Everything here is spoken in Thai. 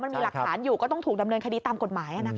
มันมีหลักฐานอยู่ก็ต้องถูกดำเนินคดีตามกฎหมาย